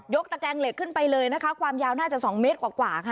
ตะแกงเหล็กขึ้นไปเลยนะคะความยาวน่าจะ๒เมตรกว่าค่ะ